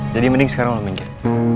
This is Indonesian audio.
jadi mending sekarang lu mikir